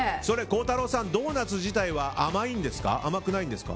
孝太郎さん、ドーナツ自体は甘いんですか？